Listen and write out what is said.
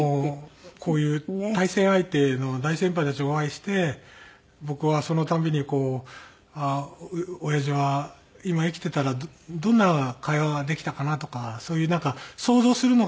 こういう対戦相手の大先輩たちとお会いして僕はそのたんびにこう「おやじは今生きてたらどんな会話ができたかな」とかそういう想像をするのが楽しいので。